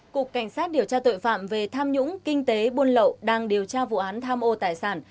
cục cảnh sát điều tra tội phạm về tham nhũng kinh tế buôn lậu đang điều tra vụ án tham ô tài sản